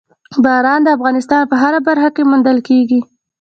باران د افغانستان په هره برخه کې موندل کېږي.